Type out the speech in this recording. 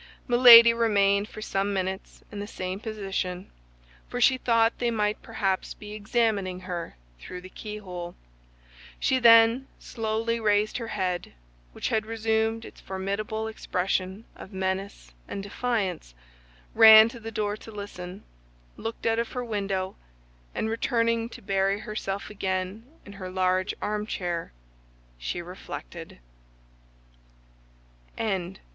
Milady remained for some minutes in the same position, for she thought they might perhaps be examining her through the keyhole; she then slowly raised her head, which had resumed its formidable expression of menace and defiance, ran to the door to listen, looked out of her window, and returning to bury herself again in her large armchair, she reflected.